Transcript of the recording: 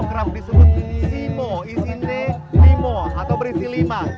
kerap disebut imo isinte limo atau berisi lima